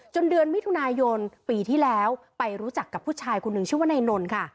เดือนมิถุนายนปีที่แล้วไปรู้จักกับผู้ชายคนหนึ่งชื่อว่านายนนท์ค่ะ